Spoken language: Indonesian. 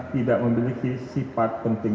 tidak memiliki sifat penting